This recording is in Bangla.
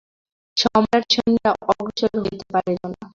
সম্রাটসৈন্যেরা অগ্রসর হইতে পারিল না।